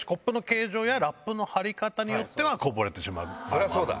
そりゃそうだ。